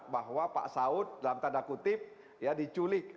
bahwa pak saud dalam tanda kutip ya diculik